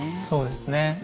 そうですね。